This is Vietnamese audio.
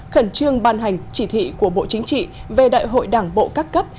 khẩn trương ban hành chỉ thị của bộ chính trị về đại hội đảng bộ các cấp